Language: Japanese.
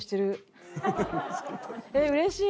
えっうれしい！